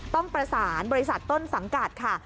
ต้องประสานบริษัทต้นสังกัดค่ะ